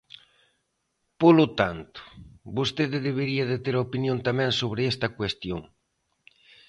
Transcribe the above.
Polo tanto, vostede debería de ter opinión tamén sobre esta cuestión.